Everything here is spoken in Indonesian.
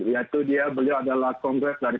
yaitu dia beliau adalah kongres dari